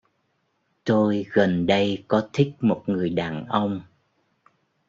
Tôi gần đây có thích một người đàn ông